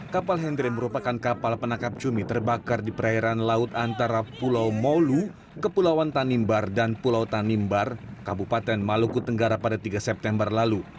kapal hendry merupakan kapal penangkap cumi terbakar di perairan laut antara pulau maulu kepulauan tanimbar dan pulau tanimbar kabupaten maluku tenggara pada tiga september lalu